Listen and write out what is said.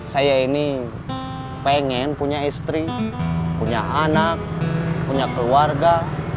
saya ini pengen punya istri punya anak punya keluarga